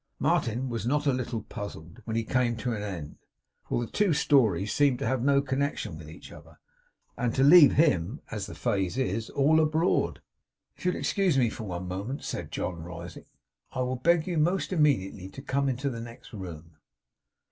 Martin was not a little puzzled when he came to an end, for the two stories seemed to have no connection with each other, and to leave him, as the phrase is, all abroad. 'If you will excuse me for one moment,' said John, rising, 'I will beg you almost immediately to come into the next room.